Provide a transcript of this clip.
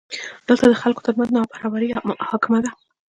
دلته د خلکو ترمنځ نابرابري حاکمه ده.